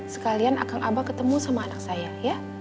sekalian akal abah ketemu sama anak saya ya